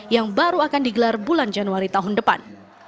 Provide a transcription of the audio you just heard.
yang baru akan digelar bulan januari tahun depan